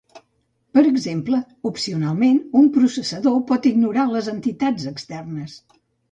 Per exemple, opcionalment, un processador pot ignorar les entitats externes.